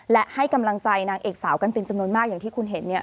และให้กำลังใจนางเอกสาวกันเป็นจำนวนมากอย่างที่คุณเห็นเนี่ย